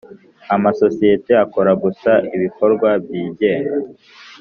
Amasosiyete akora gusa ibikorwa byingenga